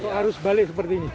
itu harus balik seperti ini